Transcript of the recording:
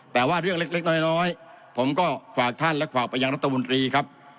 แต่ว่าเรื่องเล็กน้อยผมก็ฝากท่านและฝากไปยังรัฐมนตรีครับ